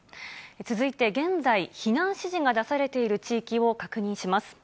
続いて現在、避難指示が出されている地域を確認します。